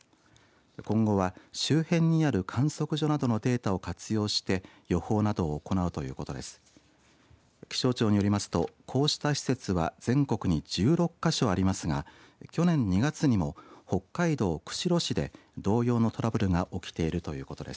今後は周辺にある観測所などのデータを活用して予報などを行うということです。